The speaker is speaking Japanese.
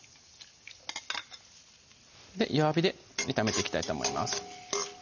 弱火で炒めていきたいと思います